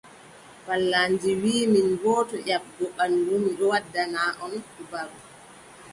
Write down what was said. Pallandi wii, min boo, to nyaaɗgo ɓanndu, mi ɗon waddana on habaru.